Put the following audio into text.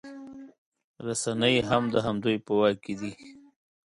رسنۍ هم د همدوی په واک کې دي